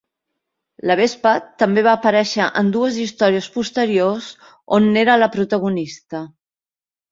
La Vespa també va aparèixer en dues històries posteriors on n'era la protagonista.